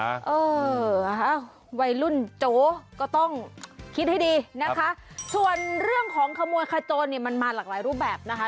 เออนะคะวัยรุ่นโจก็ต้องคิดให้ดีนะคะส่วนเรื่องของขโมยขโจรเนี่ยมันมาหลากหลายรูปแบบนะคะ